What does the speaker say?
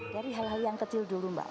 dari hal hal yang kecil dulu mbak